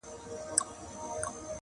زه د خزان منځ کي لا سمسور یمه,